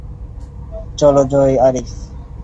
চল জয় আরিফ!